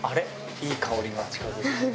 いい香りが近付いてきた。